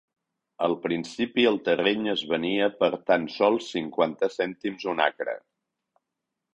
Al principi el terreny es venia per tant sols cinquanta cèntims un acre.